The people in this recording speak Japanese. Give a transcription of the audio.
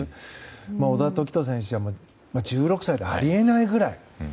小田凱人選手は１６歳であり得ないくらい。